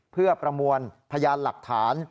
เพื่อประมวลพยานหลักฐาน